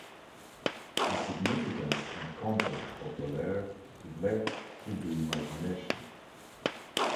The significance and content of the letter is left to the imagination.